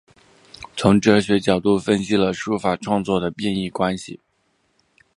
从哲学角度分析了书法创作的变易关系。